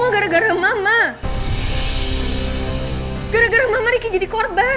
gara gara mama ricky jadi korban